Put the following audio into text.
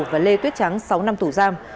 và lê tuyết trắng sáu năm tù giam